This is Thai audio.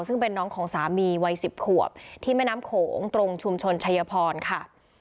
ซึ่งเป็นน้องของสามีวัย๑๐ขวบที่แม่น้ำโขงตรงชุมชนชัยพรค่ะ